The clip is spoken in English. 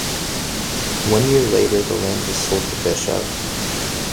One year later the land was sold to Bishop.